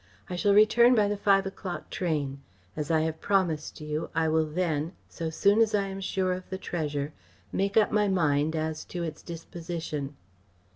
I shall return by the five o'clock train. As I have promised you, I will then, so soon as I am sure of the treasure, make up my mind as to its disposition.